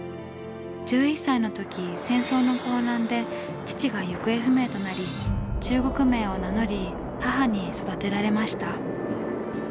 １１歳の時戦争の混乱で父が行方不明となり中国名を名乗り母に育てられました。